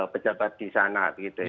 pejabat di sana